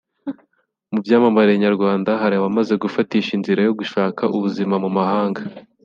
Mu byamamare nyarwanda hari abamaze gufatisha inzira yo gushaka ubuzima mu mahanga